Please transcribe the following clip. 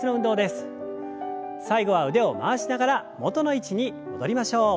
最後は腕を回しながら元の位置に戻りましょう。